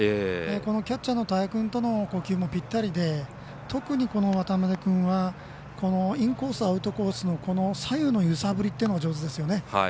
キャッチャーの田屋君との呼吸もぴったりで特に渡邊君はインコース、アウトコースの左右のゆさぶりが上手ですよね。